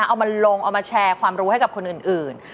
เอามาลงเอามาแชร์ความรู้ให้กับคนอื่น